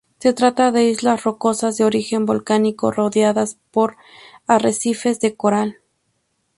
Se trata de islas rocosas de origen volcánico rodeadas por arrecifes de coral.